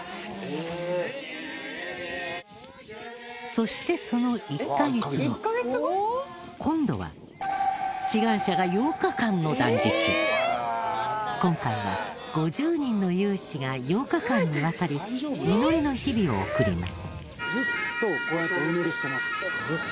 そしてその１カ月後今度は今回は５０人の有志が８日間にわたり祈りの日々を送ります。